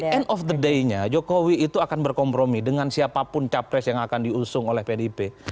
end of the day nya jokowi itu akan berkompromi dengan siapapun capres yang akan diusung oleh pdip